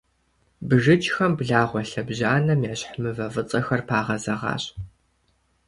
БжыкӀхэм благъуэ лъэбжьанэм ещхь мывэ фӀыцӀэхэр пагъэзэгъащ.